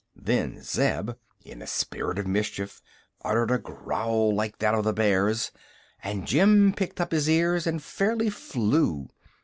Then Zeb, in a spirit of mischief, uttered a growl like that of the bears, and Jim pricked up his ears and fairly flew.